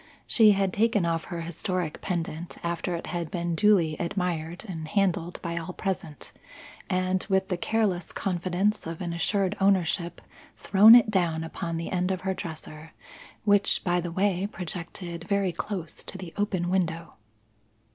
She had taken off her historic pendant after it had been duly admired and handled by all present, and, with the careless confidence of an assured ownership, thrown it down upon the end of her dresser, which, by the way, projected very close to the open window.